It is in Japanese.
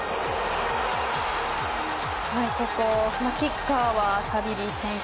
キッカーはサビリ選手。